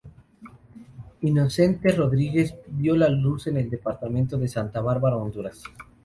Inocente Rodríguez vio la luz en el departamento de Santa Bárbara, Honduras.